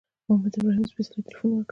محمد ابراهیم سپېڅلي تیلفون را وکړ.